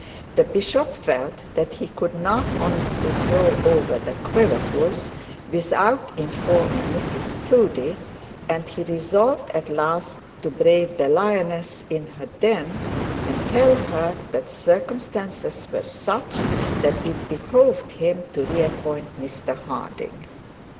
The bishop felt that he could not honestly throw over Mr Quiverful without informing Mrs Proudie, and he resolved at last to brave the lioness in her own den and tell her that circumstances were such that it behoved him to reappoint Mr Harding.